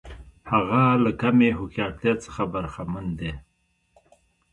هغه له کمې هوښیارتیا څخه برخمن دی.